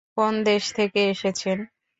কোন দেশ থেকে এসেছেন?